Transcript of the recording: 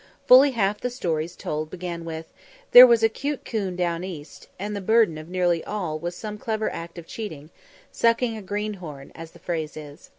Fully half the stories told began with, "There was a 'cute 'coon down east," and the burden of nearly all was some clever act of cheating, "sucking a greenhorn," as the phrase is.